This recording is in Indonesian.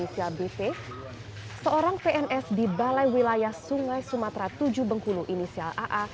seorang pns di balai wilayah sungai sumatera tujuh bengkulu inisial aa